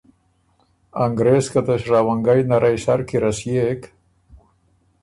انګرېز که ته شراونګئ نرئ سر کی رسيېک